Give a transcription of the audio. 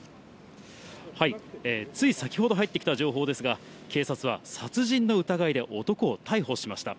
つい先ほど入ってきた情報ですが、警察は、殺人の疑いで男を逮捕しました。